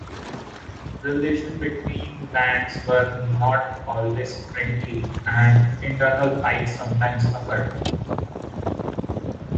Relations between bands were not always friendly, and internal fights sometimes occurred.